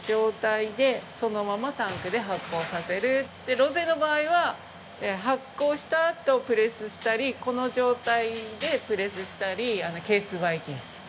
ロゼの場合は発酵したあとプレスしたりこの状態でプレスしたりケース・バイ・ケース。